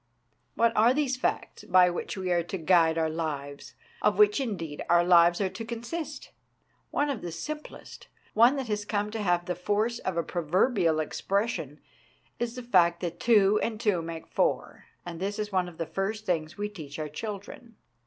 What are these facts by which we are to guide our lives, of which, indeed, our lives are to consist? One of the simplest, one that has come to have the force of a proverbial expression, is the fact that two and two make four, and this is one of the first things we teach our children.